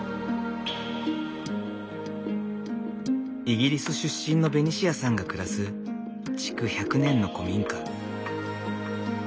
イギリス出身のベニシアさんが暮らす築１００年の古民家。